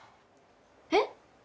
えっ？